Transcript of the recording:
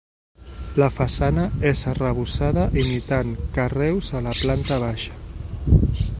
La façana és arrebossada imitant carreus a la planta baixa.